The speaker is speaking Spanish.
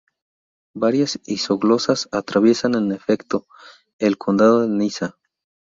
Varias isoglosas atraviesan, en efecto, el Condado de Niza.